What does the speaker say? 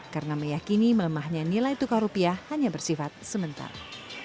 karena meyakini melemahnya nilai tukar rupiah hanya bersifat sementara